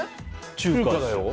中華だよ。